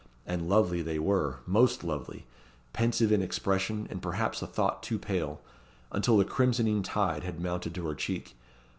And lovely they were most lovely! pensive in expression, and perhaps a thought too pale, until the crimsoning tide had mounted to her cheek.